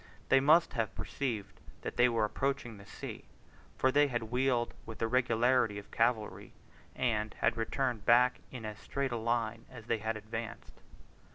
They then must have perceived that they were approaching the sea, for they had wheeled with the regularity of cavalry, and had returned back in as straight a line as they had advanced.